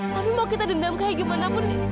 tapi mau kita dendam kayak gimana pun nih